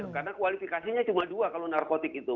karena kualifikasinya cuma dua kalau narkotik itu